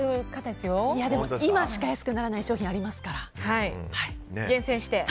でも今しか安くならない商品ありますから。